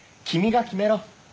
君が決めろ。